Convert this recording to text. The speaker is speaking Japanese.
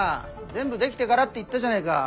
全部出来てからって言ったじゃねえか。